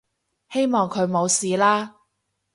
希望佢冇事啦